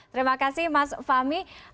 terima kasih mas fahmi